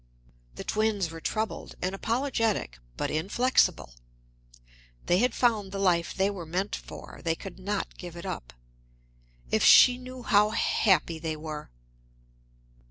The twins were troubled and apologetic, but inflexible. They had found the life they were meant for; they could not give it up. If she knew how happy they were!